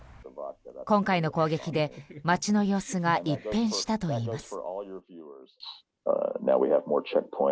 今回の攻撃で街の様子が一変したといいます。